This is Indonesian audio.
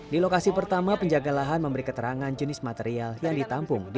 di lokasi pertama penjaga lahan memberi keterangan jenis material yang ditampung